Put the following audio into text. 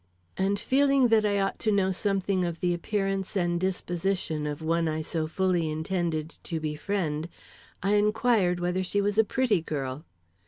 And feeling that I ought to know something of the appearance and disposition of one I so fully intended to befriend, I inquired whether she was a pretty girl.